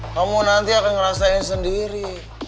kamu nanti akan ngerasain sendiri